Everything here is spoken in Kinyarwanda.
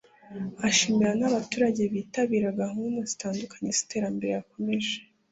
ashimira n abaturage bitabira gahunda zitandukanye z iterambere yakomeje